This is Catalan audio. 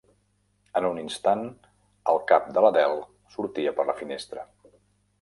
En un instant el cap de l'Adele sortia per la finestra.